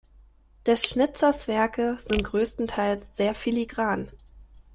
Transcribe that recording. Des Schnitzers Werke sind größtenteils sehr filigran.